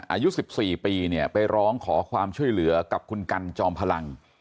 อายุ๑๔ปีเนี่ยไปร้องขอความช่วยเหลือกับคุณกันจอมพลัง